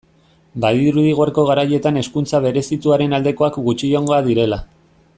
Badirudi gaurko garaietan hezkuntza berezituaren aldekoak gutxiengoa direla.